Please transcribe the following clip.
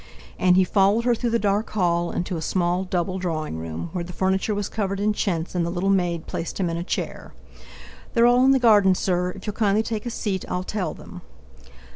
And he followed her through the dark hall, into a small double, drawing room, where the furniture was covered in chintz, and the little maid placed him in a chair. "They're all in the garden, sir; if you'll kindly take a seat, I'll tell them."